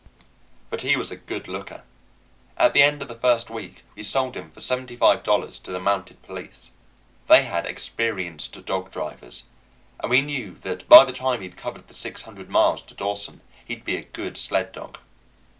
But he was a good looker. At the end of the first week we sold him for seventy five dollars to the Mounted Police. They had experienced dog drivers, and we knew that by the time he'd covered the six hundred miles to Dawson he'd be a good sled dog.